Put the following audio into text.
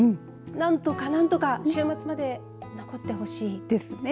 何とか、何とか週末まで残ってほしいですね。